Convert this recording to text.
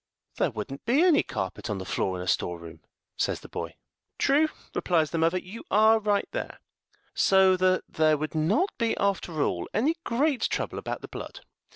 "There would not be any carpet on the floor in a store room," says the boy. "True," replies the mother; "you are right there; so that there would not be, after all, any great trouble about the blood.